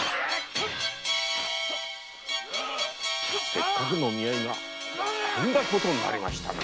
せっかくの見合いがとんだことになりましたな。